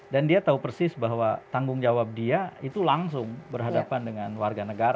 dia tahu persis bahwa tanggung jawab dia itu langsung berhadapan dengan warga negara